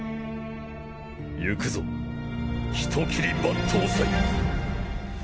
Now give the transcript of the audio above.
ゆくぞ人斬り抜刀斎。